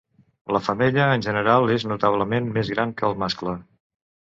La femella en general és notablement més gran que el mascle.